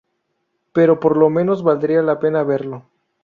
Pero por lo menos valdrá la pena verlo".